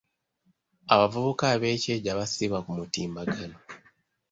Abavubuka ab'ekyejo abasiiba ku mutimbagano.